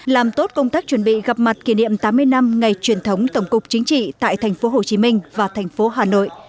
làm tốt công tác chuẩn bị gặp mặt kỷ niệm tám mươi năm ngày truyền thống tổng cục chính trị tại tp hcm và tp hcm